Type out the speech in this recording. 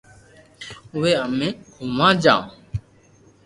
اووي امو گوموا جاوُ